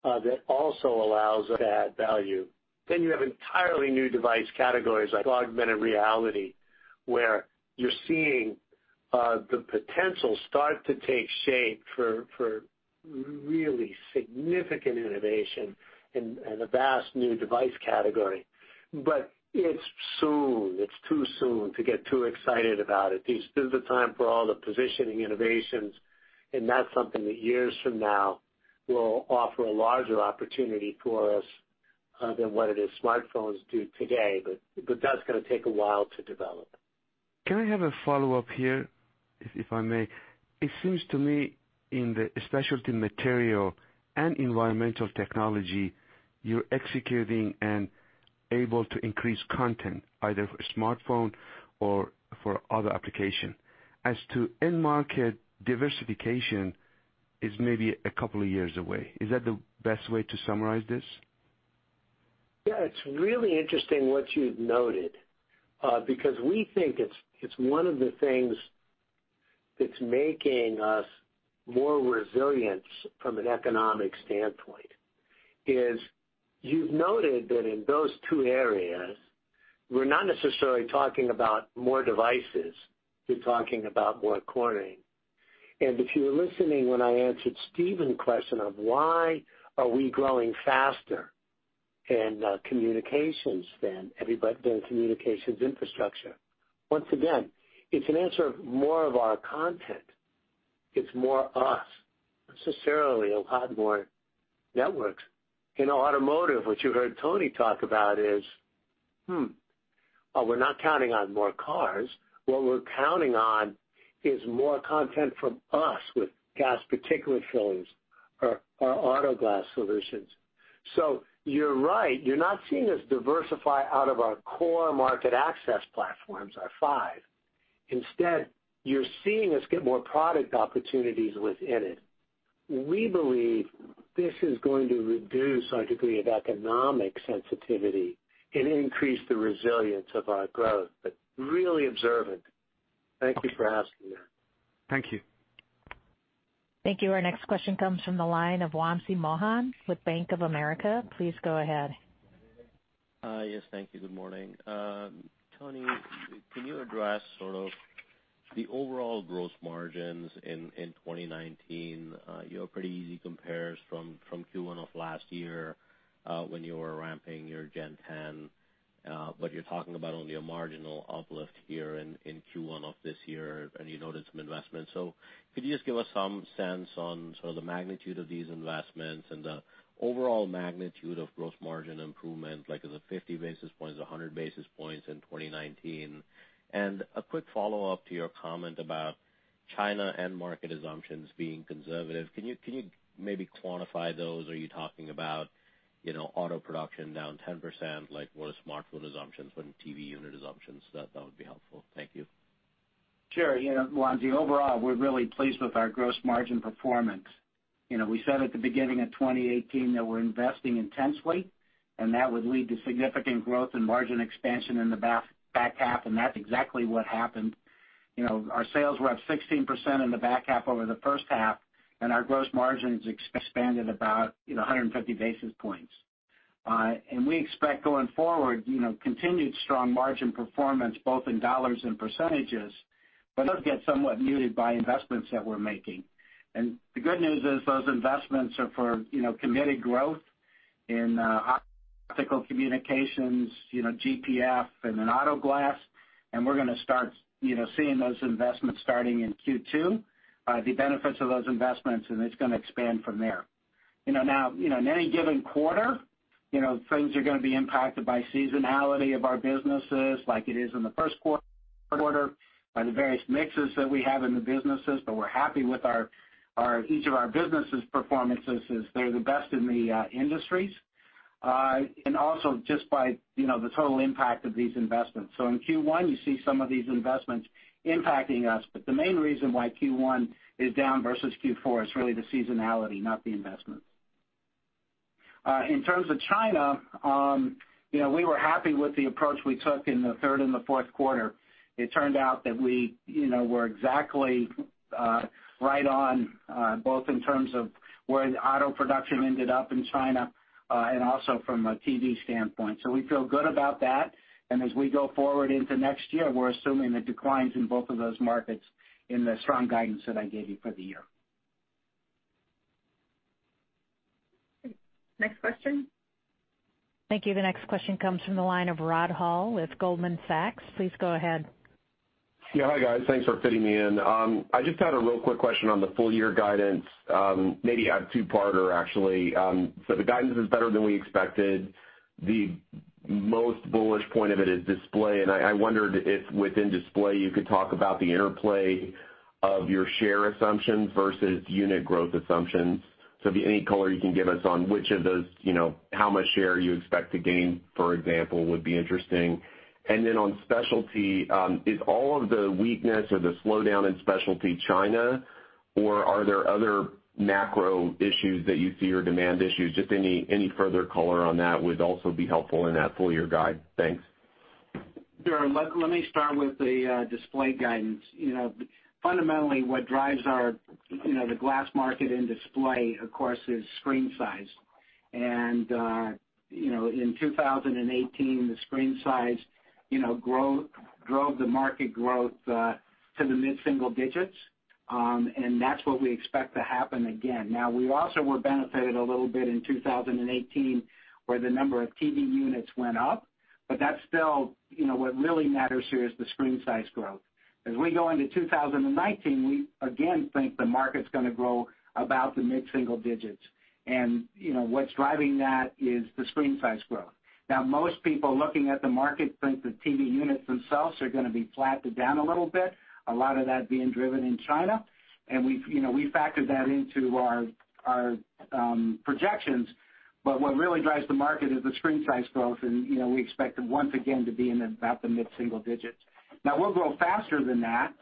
that also allows to add value. You have entirely new device categories like augmented reality, where you're seeing the potential start to take shape for really significant innovation in a vast new device category. It's soon. It's too soon to get too excited about it. These are still the time for all the positioning innovations. That's something that years from now will offer a larger opportunity for us other than what it is smartphones do today. That's going to take a while to develop. Can I have a follow-up here, if I may? It seems to me in the Specialty Materials and Environmental Technologies, you're executing and able to increase content, either for smartphones or for other applications. As to end market diversification is maybe a couple of years away. Is that the best way to summarize this? Yeah, it's really interesting what you've noted, because we think it's one of the things that's making us more resilient from an economic standpoint, is you've noted that in those two areas, we're not necessarily talking about more devices, we're talking about more Corning. If you were listening when I answered Steven's question of why are we growing faster in communications than everybody else, than communications infrastructure. Once again, it's an answer of more of our content. It's more us, not necessarily a lot more networks. In automotive, what you heard Tony talk about is, hmm, we're not counting on more cars. What we're counting on is more content from us with gas particulate filters or autoglass solutions. You're right. You're not seeing us diversify out of our core market access platforms, our five. Instead, you're seeing us get more product opportunities within it. We believe this is going to reduce our degree of economic sensitivity and increase the resilience of our growth. Really observant. Thank you for asking that. Thank you. Thank you. Our next question comes from the line of Wamsi Mohan with Bank of America. Please go ahead. Yes, thank you. Good morning. Tony, can you address sort of the overall gross margins in 2019? You have pretty easy compares from Q1 of last year, when you were ramping your Gen 10. You're talking about only a marginal uplift here in Q1 of this year, and you noted some investments. Could you just give us some sense on sort of the magnitude of these investments and the overall magnitude of gross margin improvement, like is it 50 basis points, 100 basis points in 2019? A quick follow-up to your comment about China end market assumptions being conservative. Can you maybe quantify those? Are you talking about auto production down 10%? What are smartphone assumptions? What are TV unit assumptions? That would be helpful. Thank you. Sure. Wamsi, overall, we're really pleased with our gross margin performance. We said at the beginning of 2018 that we're investing intensely, that would lead to significant growth and margin expansion in the back half, that's exactly what happened. Our sales were up 16% in the back half over the first half, and our gross margins expanded about 150 basis points. We expect going forward, continued strong margin performance both in dollars and percentages, it'll get somewhat muted by investments that we're making. The good news is those investments are for committed growth in Optical Communications, GPF, and in Autoglass. We're going to start seeing those investments starting in Q2, the benefits of those investments, and it's going to expand from there. Now, in any given quarter, things are going to be impacted by seasonality of our businesses like it is in the first quarter, by the various mixes that we have in the businesses, we're happy with each of our businesses' performances as they're the best in the industries. Also, just by the total impact of these investments. In Q1, you see some of these investments impacting us. The main reason why Q1 is down versus Q4 is really the seasonality, not the investment. In terms of China, we were happy with the approach we took in the third and fourth quarter. It turned out that we were exactly right on, both in terms of where the auto production ended up in China, and also from a TV standpoint. We feel good about that. As we go forward into next year, we're assuming the declines in both of those markets in the strong guidance that I gave you for the year. Next question. Thank you. The next question comes from the line of Rod Hall with Goldman Sachs. Please go ahead. Yeah. Hi, guys. Thanks for fitting me in. I just had a real quick question on the full-year guidance, maybe a two-parter, actually. The guidance is better than we expected. The most bullish point of it is Display, and I wondered if, within Display, you could talk about the interplay of your share assumptions versus unit growth assumptions. Any color you can give us on which of those, how much share you expect to gain, for example, would be interesting. Then on Specialty, is all of the weakness or the slowdown in Specialty China, or are there other macro issues that you see, or demand issues? Just any further color on that would also be helpful in that full-year guide. Thanks. Sure. Let me start with the Display guidance. Fundamentally, what drives the glass market and Display, of course, is screen size. In 2018, the screen size drove the market growth to the mid-single digits. That's what we expect to happen again. Now, we also benefited a little bit in 2018, where the number of TV units went up. That's still, what really matters here is the screen size growth. As we go into 2019, we again think the market's going to grow about the mid-single digits. What's driving that is the screen size growth. Now, most people looking at the market think the TV units themselves are going to be flattened down a little bit, a lot of that being driven in China, and we factored that into our projections. What really drives the market is the screen size growth, and we expect it once again to be in about the mid-single digits. Now we'll grow faster than that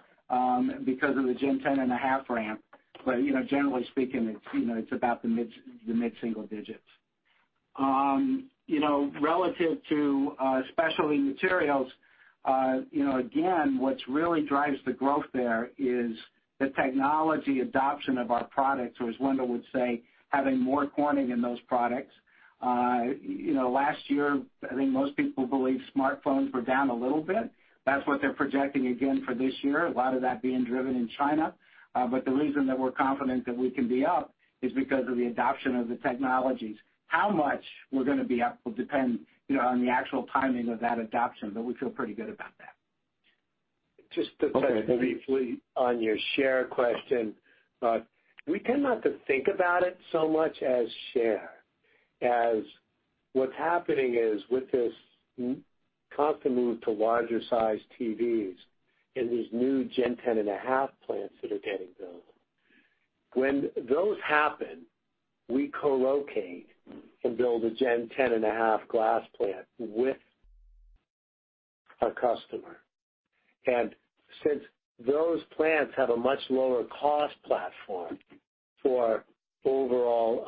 because of the Gen 10.5 ramp. Generally speaking, it's about the mid-single digits. Relative to Specialty Materials, again, what really drives the growth there is the technology adoption of our products or, as Wendell would say, having more Corning in those products. Last year, I think most people believe smartphones were down a little bit. That's what they're projecting again for this year. A lot of that being driven in China. The reason that we're confident that we can be up is because of the adoption of the technologies. How much we're going to be up will depend on the actual timing of that adoption, but we feel pretty good about that. Just to touch briefly on your share question. We tend not to think about it so much as share, as what's happening is with this constant move to larger size TVs in these new Gen 10.5 plants that are getting built. When those happen, we co-locate and build a Gen 10.5 glass plant with a customer. Since those plants have a much lower cost platform for overall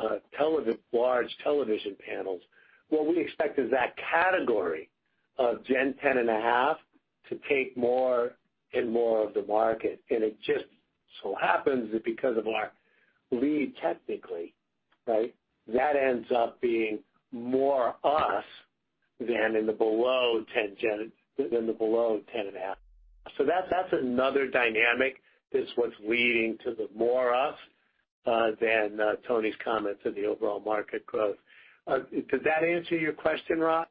large television panels, what we expect is that category of Gen 10.5 to take more and more of the market. It just so happens that because of our lead technically, right, that ends up being more us than in the below 10.5. That's another dynamic that's what's leading to the more us than Tony's comments of the overall market growth. Does that answer your question, Rod?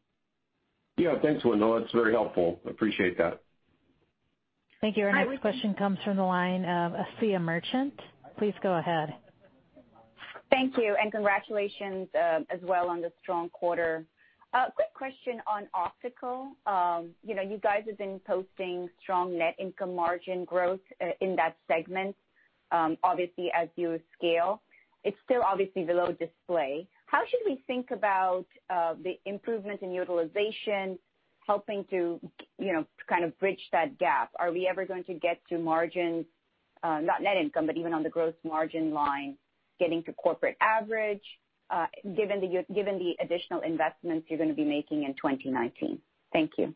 Thanks, Wendell. That's very helpful. Appreciate that. Thank you. Our next question comes from the line of Asiya Merchant. Please go ahead. Thank you, and congratulations as well on the strong quarter. A quick question on optical. You guys have been posting strong net income margin growth in that segment obviously, as you scale. It's still obviously below display. How should we think about the improvements in utilization helping to kind of bridge that gap? Are we ever going to get to margin, not net income, but even on the gross margin line, getting to corporate average, given the additional investments you're going to be making in 2019? Thank you.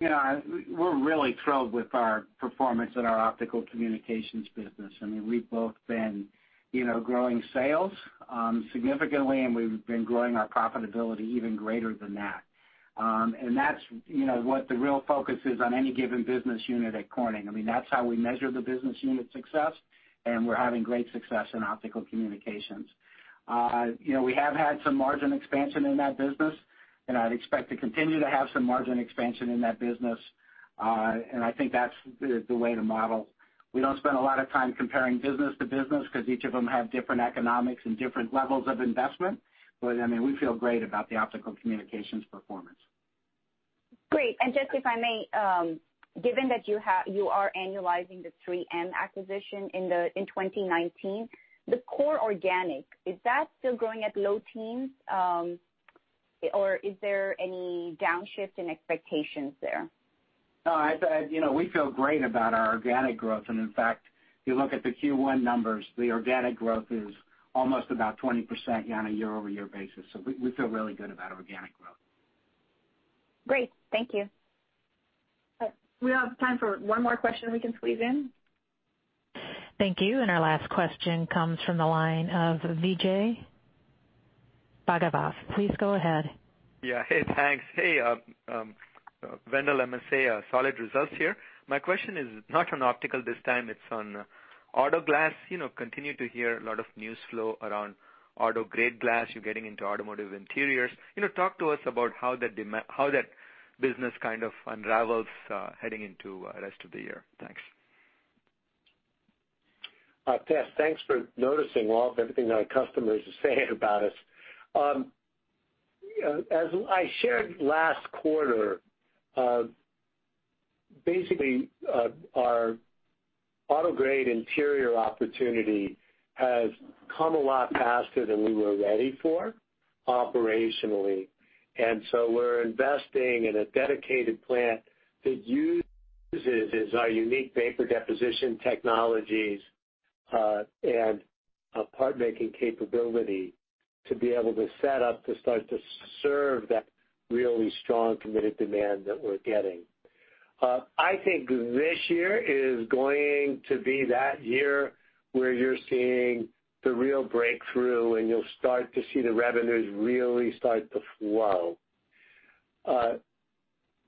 We're really thrilled with our performance in our Optical Communications business. We've both been growing sales significantly, and we've been growing our profitability even greater than that. That's what the real focus is on any given business unit at Corning. That's how we measure the business unit's success. We're having great success in Optical Communications. We have had some margin expansion in that business. I'd expect to continue to have some margin expansion in that business. I think that's the way to model. We don't spend a lot of time comparing businesses to businesses because each of them have different economics and different levels of investment. We feel great about the Optical Communications performance. Great. Just if I may, given that you are annualizing the 3M acquisition in 2019, the core organic, is that still growing at low teens? Is there any downshift in expectations there? No. We feel great about our organic growth. In fact, you look at the Q1 numbers, the organic growth is almost about 20% on a year-over-year basis. We feel really good about organic growth. Great. Thank you. We have time for one more question we can squeeze in. Thank you. Our last question comes from the line of Vijay Bhagavath. Please go ahead. Yeah. Hey, thanks. Hey, Wendell, let me say, solid results here. My question is not on optical this time, it's on auto glass. Continue to hear a lot of news flow around auto-grade glass. You're getting into automotive interiors. Talk to us about how that business kind of unravels heading into rest of the year. Thanks. Tejas, thanks for noticing all of everything that our customers are saying about us. As I shared last quarter, basically, our auto-grade interior opportunity has come a lot faster than we were ready for operationally. We're investing in a dedicated plant that uses our unique vapor deposition technologies, and a part-making capability to be able to set up to start to serve that really strong, committed demand that we're getting. I think this year is going to be that year where you're seeing the real breakthrough, and you'll start to see the revenues really start to flow.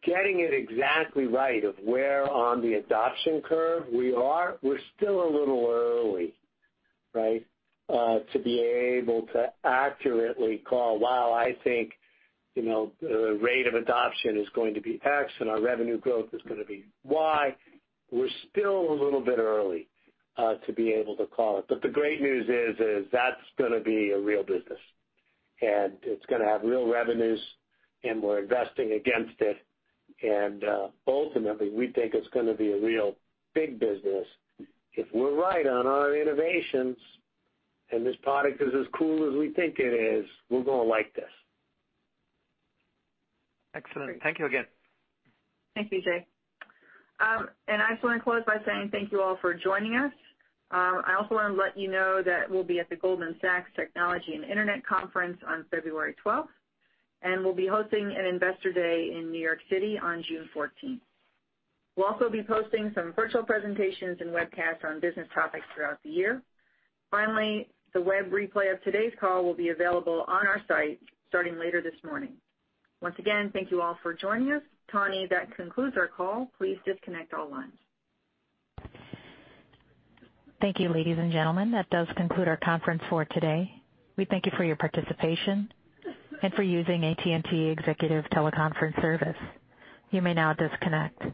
Getting it exactly right of where on the adoption curve we are, we're still a little early, right, to be able to accurately call, "Wow, I think the rate of adoption is going to be X, and our revenue growth is going to be Y." We're still a little bit early to be able to call it. But the great news is that's going to be a real business, and it's going to have real revenues, and we're investing against it. Ultimately, we think it's going to be a real big business. If we're right on our innovations and this product is as cool as we think it is, we're going to like this. Excellent. Thank you again. Thank you, Jay. I just want to close by saying thank you all for joining us. I also want to let you know that we'll be at the Goldman Sachs Technology and Internet Conference on February 12th, and we'll be hosting an Investor Day in New York City on June 14th. We'll also be posting some virtual presentations and webcasts on business topics throughout the year. Finally, the web replay of today's call will be available on our site starting later this morning. Once again, thank you all for joining us. Tawny, that concludes our call. Please disconnect all lines. Thank you, ladies and gentlemen. That does conclude our conference for today. We thank you for your participation and for using AT&T Executive Teleconference Service. You may now disconnect.